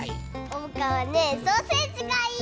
おうかはねソーセージがいい！